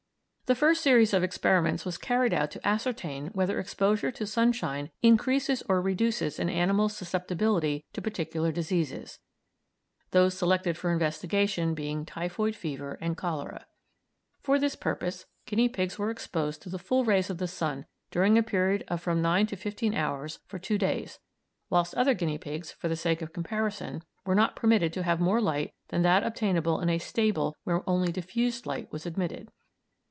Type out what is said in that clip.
The first series of experiments was carried out to ascertain whether exposure to sunshine increases or reduces an animal's susceptibility to particular diseases, those selected for investigation being typhoid fever and cholera. For this purpose guinea pigs were exposed to the full rays of the sun during a period of from nine to fifteen hours for two days, whilst other guinea pigs, for the sake of comparison, were not permitted to have more light than that obtainable in a stable where only diffused light was admitted.